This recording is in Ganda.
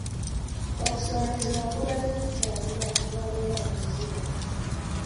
Okusoomoozebwa kubadde kukyali ku babeera mu nzigotta.